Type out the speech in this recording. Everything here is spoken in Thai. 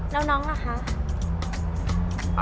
แล้วน้องล่ะคะ